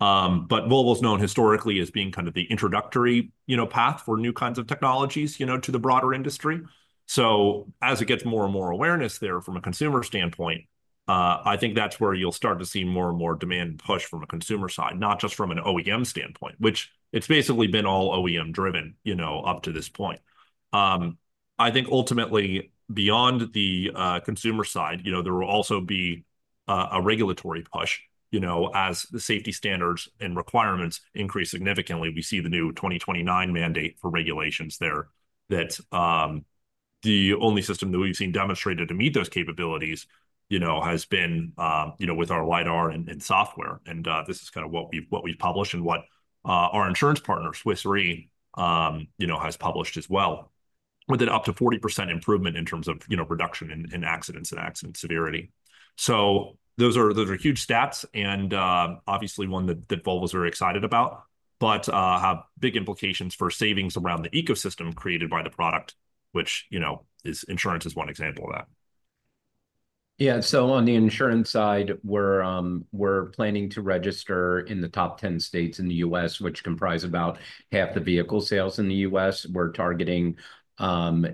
But Volvo's known historically as being kind of the introductory, you know, path for new kinds of technologies, you know, to the broader industry. So as it gets more and more awareness there from a consumer standpoint, I think that's where you'll start to see more and more demand push from a consumer side, not just from an OEM standpoint, which it's basically been all OEM-driven, you know, up to this point. I think ultimately beyond the consumer side, you know, there will also be a regulatory push, you know, as the safety standards and requirements increase significantly. We see the new 2029 mandate for regulations there that the only system that we've seen demonstrated to meet those capabilities, you know, has been, you know, with our LiDAR and software. This is kind of what we've published and what our insurance partner, Swiss Re, you know, has published as well with an up to 40% improvement in terms of, you know, reduction in accidents and accident severity. Those are huge stats and obviously one that Volvo's very excited about, but have big implications for savings around the ecosystem created by the product, which, you know, insurance is one example of that. Yeah. On the insurance side, we're planning to register in the top 10 states in the U.S., which comprise about half the vehicle sales in the U.S. We're targeting,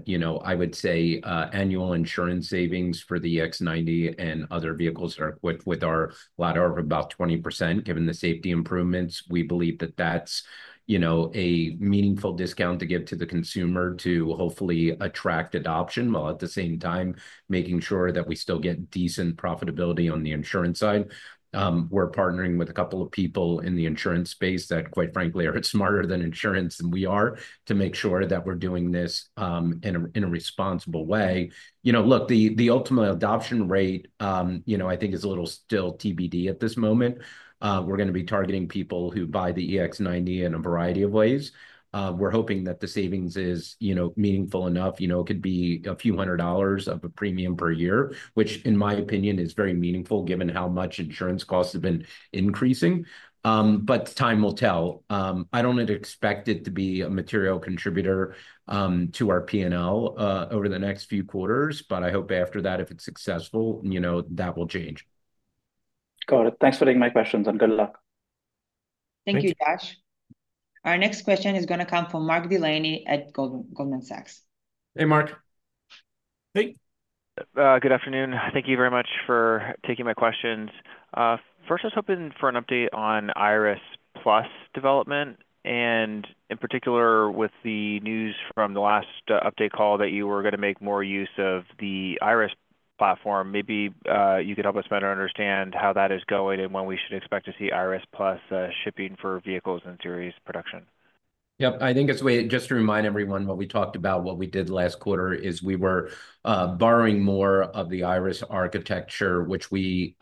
you know, I would say annual insurance savings for the EX90 and other vehicles with our LiDAR of about 20% given the safety improvements. We believe that that's, you know, a meaningful discount to give to the consumer to hopefully attract adoption, while at the same time making sure that we still get decent profitability on the insurance side. We're partnering with a couple of people in the insurance space that, quite frankly, are smarter at insurance than we are to make sure that we're doing this in a responsible way. You know, look, the ultimate adoption rate, you know, I think is a little still TBD at this moment. We're going to be targeting people who buy the EX90 in a variety of ways. We're hoping that the savings is, you know, meaningful enough. You know, it could be a few hundred dollars of a premium per year, which in my opinion is very meaningful given how much insurance costs have been increasing but time will tell. I don't expect it to be a material contributor to our P&L over the next few quarters, but I hope after that, if it's successful, you know, that will change. Got it. Thanks for taking my questions and good luck. Thank you, Jash. Our next question is going to come from Mark Delaney at Goldman Sachs. Hey, Mark. Hey. Good afternoon. Thank you very much for taking my questions. First, I was hoping for an update on Iris Plus development and in particular with the news from the last update call that you were going to make more use of the Iris platform. Maybe you could help us better understand how that is going and when we should expect to see Iris Plus shipping for vehicles and series production. Yep. I think it's a way just to remind everyone what we talked about. What we did last quarter is we were borrowing more of the Iris architecture, which we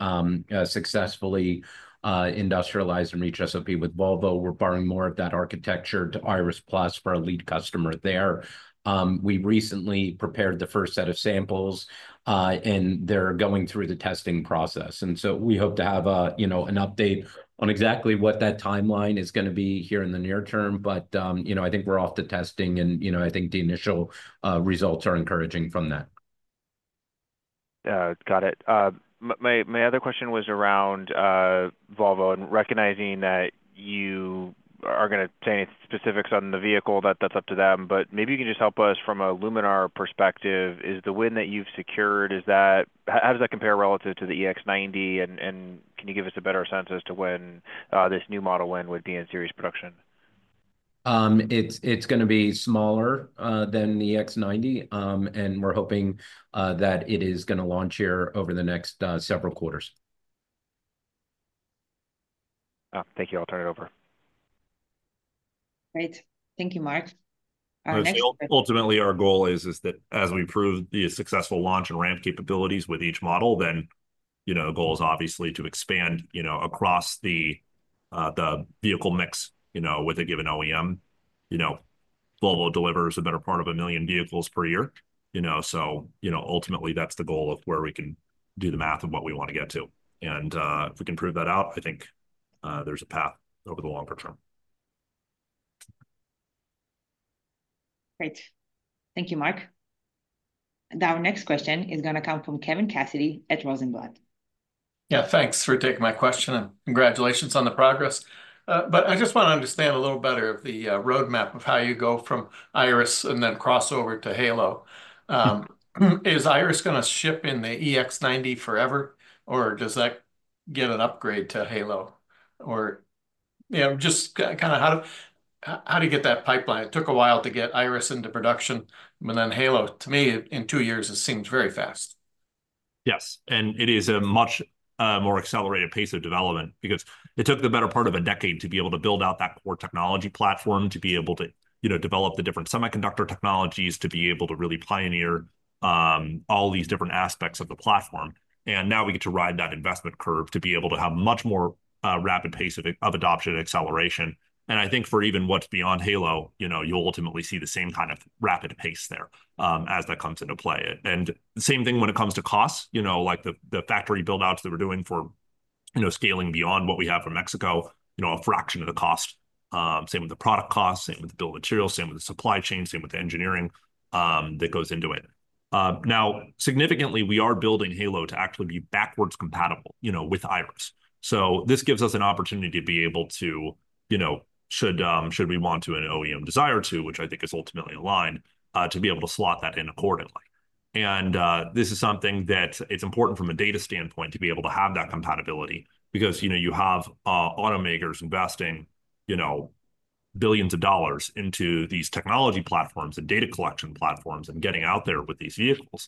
successfully industrialized and reached SOP with Volvo. We're borrowing more of that architecture to Iris Plus for our lead customer there. We recently prepared the first set of samples, and they're going through the testing process. And so we hope to have, you know, an update on exactly what that timeline is going to be here in the near term. But, you know, I think we're off to testing, and, you know, I think the initial results are encouraging from that. Yeah. Got it. My other question was around Volvo and recognizing that you are going to say any specifics on the vehicle, that that's up to them. But maybe you can just help us from a Luminar perspective. Is the win that you've secured, is that how does that compare relative to the EX90? And can you give us a better sense as to when this new model win would be in series production? It's going to be smaller than the EX90, and we're hoping that it is going to launch here over the next several quarters. Thank you. I'll turn it over. Great. Thank you, Mark. Our next question. Ultimately, our goal is that as we prove the successful launch and ramp capabilities with each model, then, you know, the goal is obviously to expand, you know, across the vehicle mix, you know, with a given OEM. You know, Volvo delivers a better part of a million vehicles per year, you know. So, you know, ultimately, that's the goal of where we can do the math of what we want to get to. And if we can prove that out, I think there's a path over the longer term. Great. Thank you, Mark. And our next question is going to come from Kevin Cassidy at Rosenblatt. Yeah. Thanks for taking my question and congratulations on the progress. But I just want to understand a little better the roadmap of how you go from Iris and then crossover to Halo. Is Iris going to ship in the EX90 forever, or does that get an upgrade to Halo? Or, you know, just kind of how to get that pipeline. It took a while to get Iris into production, but then Halo, to me, in two years, it seems very fast. Yes And it is a much more accelerated pace of development because it took the better part of a decade to be able to build out that core technology platform, to be able to, you know, develop the different semiconductor technologies, to be able to really pioneer all these different aspects of the platform. And now we get to ride that investment curve to be able to have a much more rapid pace of adoption and acceleration. And I think for even what's beyond Halo, you know, you'll ultimately see the same kind of rapid pace there as that comes into play. And same thing when it comes to costs, you know, like the factory build-outs that we're doing for, you know, scaling beyond what we have in Mexico, you know, a fraction of the cost. Same with the product cost, same with the bill of materials, same with the supply chain, same with the engineering that goes into it. Now, significantly, we are building Halo to actually be backward compatible, you know, with Iris. So this gives us an opportunity to be able to, you know, should we want to and OEM desire to, which I think is ultimately aligned, to be able to slot that in accordingly. And this is something that it's important from a data standpoint to be able to have that compatibility because, you know, you have automakers investing, you know, billions of dollars into these technology platforms and data collection platforms and getting out there with these vehicles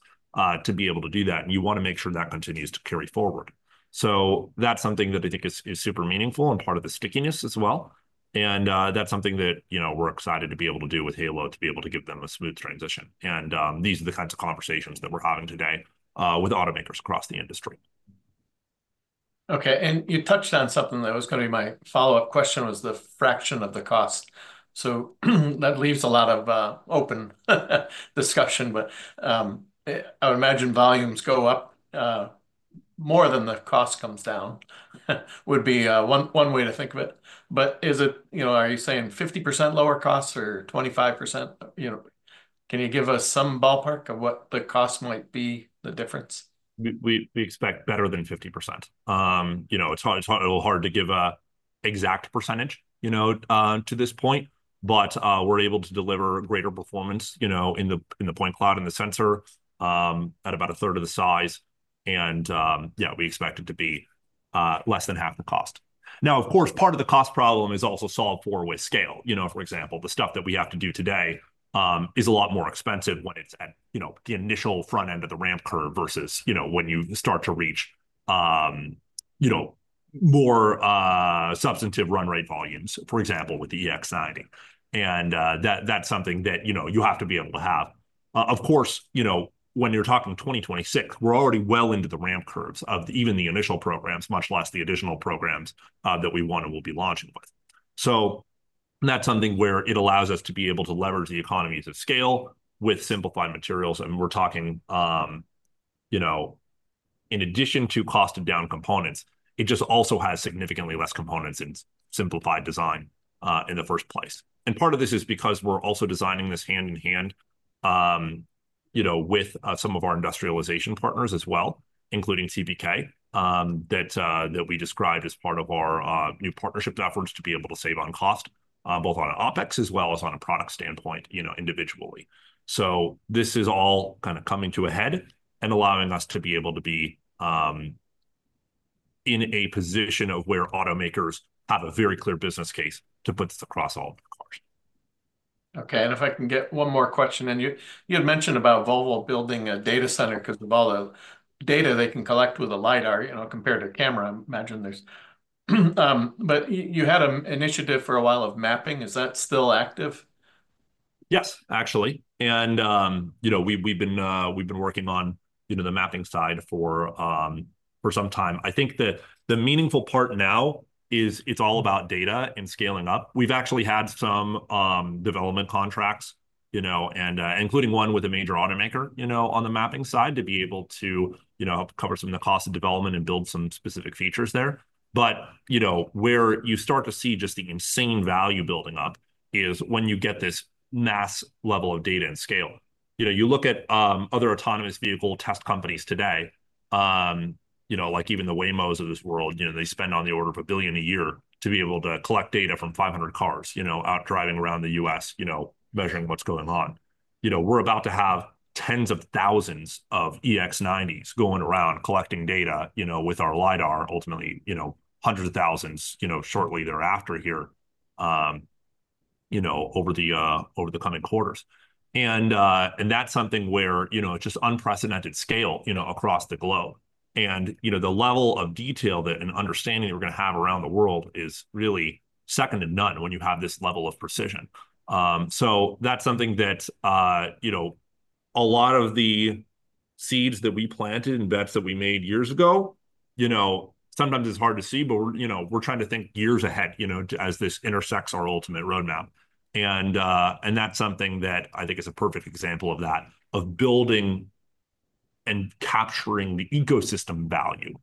to be able to do that. And you want to make sure that continues to carry forward. So that's something that I think is super meaningful and part of the stickiness as well. And that's something that, you know, we're excited to be able to do with Halo to be able to give them a smooth transition. And these are the kinds of conversations that we're having today with automakers across the industry. Okay. And you touched on something that was going to be my follow-up question was the fraction of the cost. So that leaves a lot of open discussion, but I would imagine volumes go up more than the cost comes down would be one way to think of it. But is it, you know, are you saying 50% lower costs or 25%? You know, can you give us some ballpark of what the cost might be, the difference? We expect better than 50%. You know, it's a little hard to give an exact percentage, you know, to this point, but we're able to deliver greater performance, you know, in the point cloud and the sensor at about a third of the size. And yeah, we expect it to be less than half the cost. Now, of course, part of the cost problem is also solved for with scale. You know, for example, the stuff that we have to do today is a lot more expensive when it's at, you know, the initial front end of the ramp curve versus, you know, when you start to reach, you know, more substantive run rate volumes, for example, with the EX90. And that's something that, you know, you have to be able to have. Of course, you know, when you're talking 2026, we're already well into the ramp curves of even the initial programs, much less the additional programs that we want and will be launching with. So that's something where it allows us to be able to leverage the economies of scale with simplified materials. And we're talking, you know, in addition to cost-down components, it just also has significantly less components in simplified design in the first place. And part of this is because we're also designing this hand in hand, you know, with some of our industrialization partners as well, including TPK, that we described as part of our new partnership efforts to be able to save on cost, both on an OpEx as well as on a product standpoint, you know, individually. So this is all kind of coming to a head and allowing us to be able to be in a position of where automakers have a very clear business case to put this across all of the cars. Okay. And if I can get one more question, and you had mentioned about Volvo building a data center because of all the data they can collect with a lidar, you know, compared to camera, I imagine there's. But you had an initiative for a while of mapping. Is that still active? Yes, actually. And you know, we've been working on, you know, the mapping side for some time. I think that the meaningful part now is it's all about data and scaling up. We've actually had some development contracts, you know, and including one with a major automaker, you know, on the mapping side to be able to, you know, help cover some of the cost of development and build some specific features there. But, you know, where you start to see just the insane value building up is when you get this mass level of data and scale. You know, you look at other autonomous vehicle test companies today, you know, like even the Waymo's of this world, you know, they spend on the order of $1 billion a year to be able to collect data from 500 cars, you know, out driving around the U.S., you know, measuring what's going on. You know, we're about to have tens of thousands of EX90s going around collecting data, you know, with our lidar, ultimately, you know, hundreds of thousands, you know, shortly thereafter here, you know, over the coming quarters. That's something where, you know, it's just unprecedented scale, you know, across the globe. You know, the level of detail and understanding that we're going to have around the world is really second to none when you have this level of precision. That's something that, you know, a lot of the seeds that we planted and bets that we made years ago, you know, sometimes it's hard to see, but we're, you know, we're trying to think years ahead, you know, as this intersects our ultimate roadmap. That's something that I think is a perfect example of that, of building and capturing the ecosystem value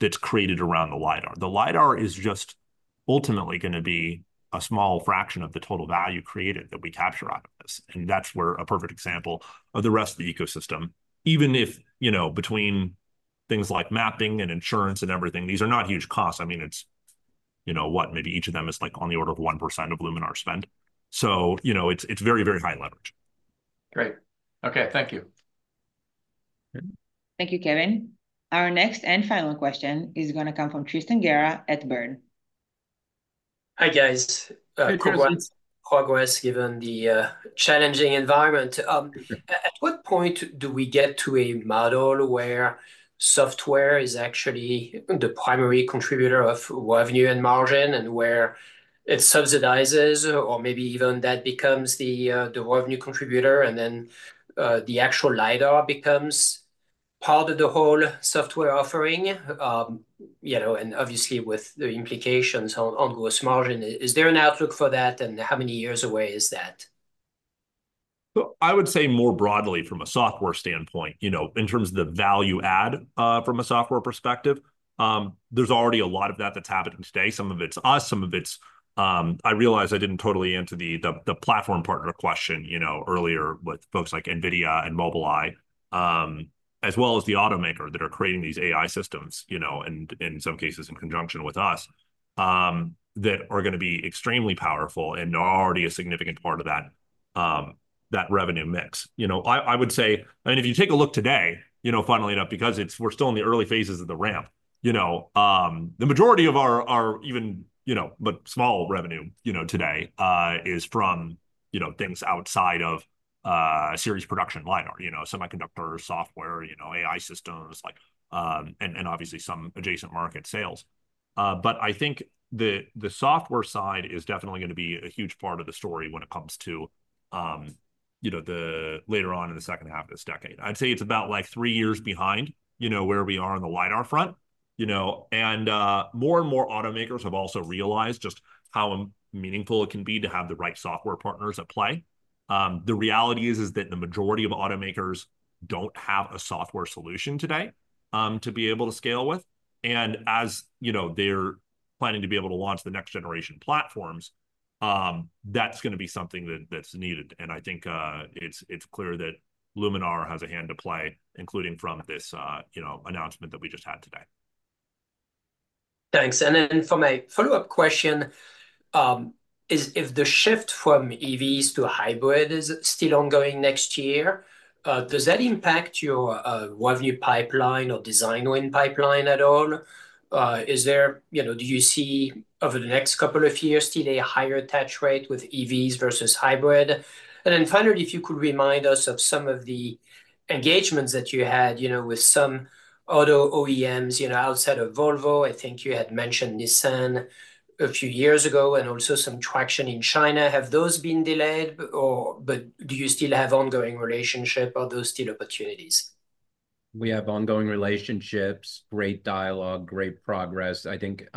that's created around the lidar. The LiDAR is just ultimately going to be a small fraction of the total value created that we capture out of this. And that's where a perfect example of the rest of the ecosystem, even if, you know, between things like mapping and insurance and everything, these are not huge costs. I mean, it's, you know, what, maybe each of them is like on the order of 1% of Luminar spend. So, you know, it's very, very high leverage. Great. Okay. Thank you. Thank you, Kevin. Our next and final question is going to come from Tristan Gerra at Baird. Hi, guys. Quick one. Quick one. Quick. What's, given the challenging environment. At what point do we get to a model where software is actually the primary contributor of revenue and margin and where it subsidizes, or maybe even that becomes the revenue contributor, and then the actual lidar becomes part of the whole software offering, you know, and obviously with the implications on gross margin? Is there an outlook for that, and how many years away is that? So I would say more broadly from a software standpoint, you know, in terms of the value add from a software perspective, there's already a lot of that that's happening today. Some of it's us, some of it's I realize I didn't totally answer the platform partner question, you know, earlier with folks like NVIDIA and Mobileye, as well as the automaker that are creating these AI systems, you know, and in some cases in conjunction with us, that are going to be extremely powerful and are already a significant part of that revenue mix. You know, I would say, I mean, if you take a look today, you know, funnily enough, because it's we're still in the early phases of the ramp, you know, the majority of our even, you know, but small revenue, you know, today is from, you know, things outside of series production LiDAR, you know, semiconductor software, you know, AI systems, like, and obviously some adjacent market sales. But I think the software side is definitely going to be a huge part of the story when it comes to, you know, the later on in the second half of this decade. I'd say it's about like three years behind, you know, where we are on the LiDAR front, you know. And more and more automakers have also realized just how meaningful it can be to have the right software partners at play. The reality is that the majority of automakers don't have a software solution today to be able to scale with. And as, you know, they're planning to be able to launch the next generation platforms, that's going to be something that's needed. And I think it's clear that Luminar has a hand to play, including from this, you know, announcement that we just had today. Thanks. And then for my follow-up question, is if the shift from EVs to hybrid is still ongoing next year, does that impact your revenue pipeline or design win pipeline at all? Is there, you know, do you see over the next couple of years still a higher touch rate with EVs versus hybrid? And then finally, if you could remind us of some of the engagements that you had, you know, with some auto OEMs, you know, outside of Volvo. I think you had mentioned Nissan a few years ago and also some traction in China. Have those been delayed? But do you still have ongoing relationship or those still opportunities? We have ongoing relationships, great dialogue, great progress. I think,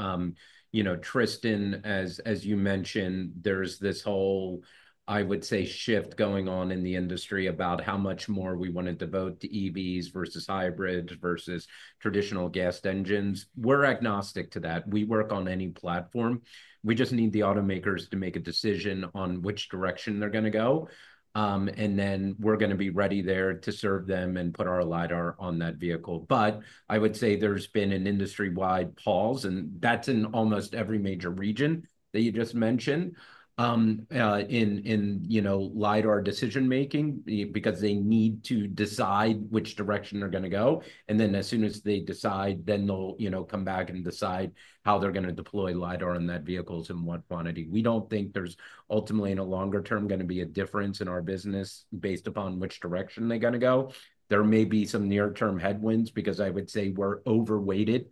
you know, Tristan, as you mentioned, there's this whole, I would say, shift going on in the industry about how much more we want to devote to EVs versus hybrids versus traditional gas engines. We're agnostic to that. We work on any platform. We just need the automakers to make a decision on which direction they're going to go. And then we're going to be ready there to serve them and put our LiDAR on that vehicle. But I would say there's been an industry-wide pause, and that's in almost every major region that you just mentioned in, you know, lidar decision-making because they need to decide which direction they're going to go. And then as soon as they decide, then they'll, you know, come back and decide how they're going to deploy lidar in those vehicles and what quantity. We don't think there's ultimately in a longer term going to be a difference in our business based upon which direction they're going to go. There may be some near-term headwinds because I would say we're overweighted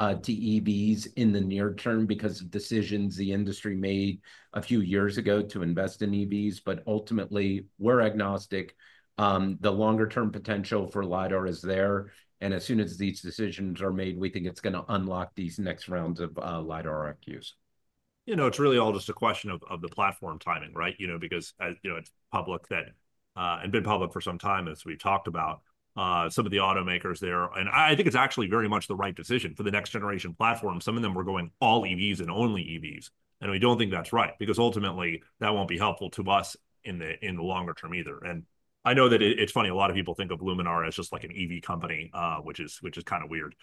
to EVs in the near term because of decisions the industry made a few years ago to invest in EVs. But ultimately, we're agnostic. The longer-term potential for LiDAR is there. And as soon as these decisions are made, we think it's going to unlock these next rounds of LiDAR wins. You know, it's really all just a question of the platform timing, right? You know, because as you know, it's public and has been public for some time as we've talked about some of the automakers there. And I think it's actually very much the right decision for the next generation platform. Some of them were going all EVs and only EVs. We don't think that's right because ultimately that won't be helpful to us in the longer term either. I know that it's funny, a lot of people think of Luminar as just like an EV company, which is kind of weird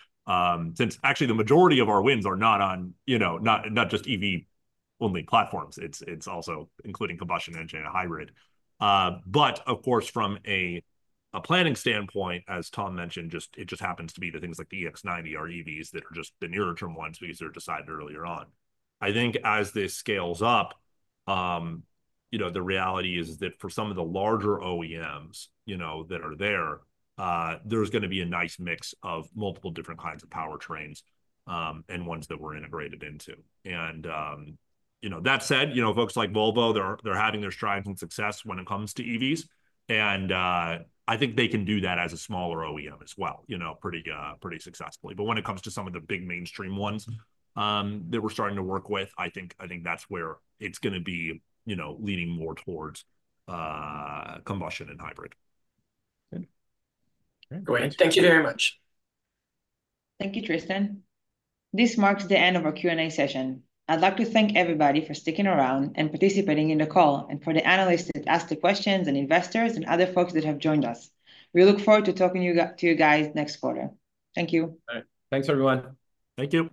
since actually the majority of our wins are not on, you know, not just EV-only platforms. It's also including combustion engine and hybrid. Of course, from a planning standpoint, as Tom mentioned, it happens to be the things like the EX90 or EVs that are just the nearer-term ones because they're decided earlier on. I think as this scales up, you know, the reality is that for some of the larger OEMs, you know, that are there, there's going to be a nice mix of multiple different kinds of powertrains and ones that we're integrated into. And, you know, that said, you know, folks like Volvo, they're having their strides and success when it comes to EVs. And I think they can do that as a smaller OEM as well, you know, pretty successfully. But when it comes to some of the big mainstream ones that we're starting to work with, I think that's where it's going to be, you know, leading more towards combustion and hybrid. Okay. Great. Thank you very much. Thank you, Tristan. This marks the end of our Q&A session. I'd like to thank everybody for sticking around and participating in the call and for the analysts that asked the questions and investors and other folks that have joined us. We look forward to talking to you guys next quarter. Thank you. Thanks, everyone. Thank you.